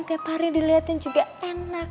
tiap hari dilihatin juga enak